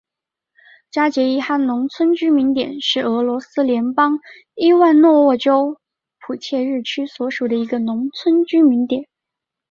扎捷伊哈农村居民点是俄罗斯联邦伊万诺沃州普切日区所属的一个农村居民点。